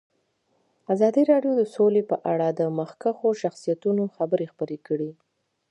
ازادي راډیو د سوله په اړه د مخکښو شخصیتونو خبرې خپرې کړي.